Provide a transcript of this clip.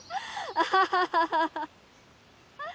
アハハハッ！